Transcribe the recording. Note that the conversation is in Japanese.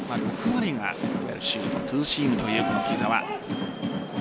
６割がツーシームという木澤。